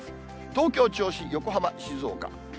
東京、銚子、横浜、静岡。